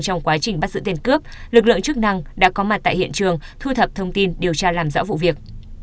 trong quá trình bắt giữ tên cướp lực lượng chức năng đã có mặt tại hiện trường thu thập thông tin điều tra làm rõ vụ việc